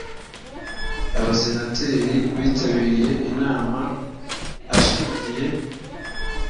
abasenateri bitabiriye inama ashingiye